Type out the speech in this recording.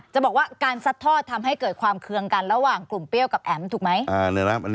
จะบอกว่าการซัดทอดทำให้เกิดความเคืองกันระหว่างกลุ่มเปรี้ยวกับแอ๋มถูกไหม